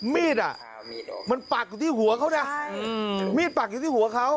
มีดอ่ะมันปักอยู่ที่หัวเขานะมีดปักอยู่ที่หัวเขา